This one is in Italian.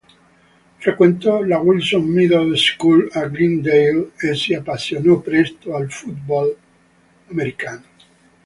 Frequentò la Wilson Middle School a Glendale e si appassionò presto al football americano.